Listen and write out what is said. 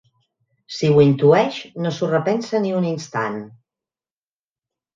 Si ho intueix no s'ho repensa ni un instant.